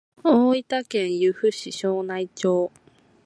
大分県由布市庄内町